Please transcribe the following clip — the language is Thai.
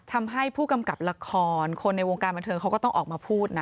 ทำให้ผู้กำกับละครคนในวงการบันเทิงเขาก็ต้องออกมาพูดนะ